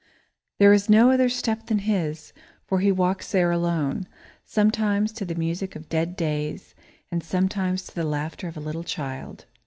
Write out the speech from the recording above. There is no other step than his, for he walks there alone; sometimes to the music of dead days and sometimes to the laughter of a little child.